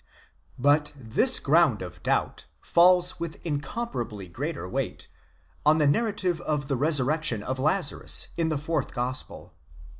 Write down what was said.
But this ground of doubt falls with incomparably greater weight, on the narrative of the resurrection of Lazarus in the fourth gospel.